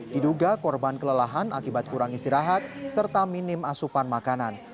diduga korban kelelahan akibat kurang istirahat serta minim asupan makanan